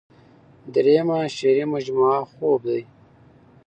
دريمه شعري مجموعه خوب دے ۔